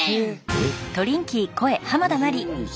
えっ？